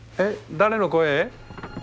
誰の声？